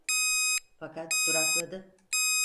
Fakat durakladı.